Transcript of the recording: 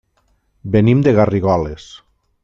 Venim de Garrigoles.